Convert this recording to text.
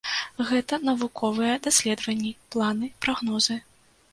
Гэта навуковыя даследаванні, планы, прагнозы.